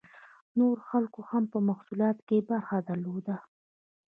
نورو خلکو هم په محصولاتو کې برخه درلوده.